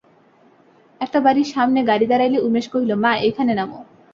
একটা বাড়ির সামনে গাড়ি দাঁড়াইলে উমেশ কহিল, মা, এইখানে নামো।